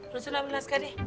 lo cuman ambil naskah deh